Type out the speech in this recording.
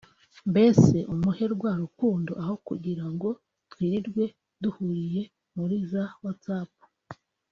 ’ Mbese umuhe rwa rukundo aho kugira ngo twirirwe duhugiye muri za ‘Wahatsapp’